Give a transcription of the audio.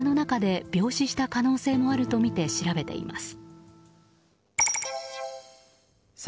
警察は男性が山の中で病死した可能性もあるとみて調べています。